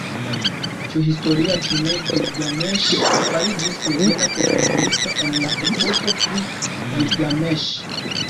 Ĉu historia, ĉu ne, Gilgameŝ fariĝis legenda protagonisto en la "Eposo pri Gilgameŝ".